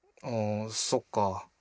あそっか。